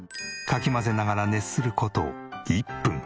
かき混ぜながら熱する事１分。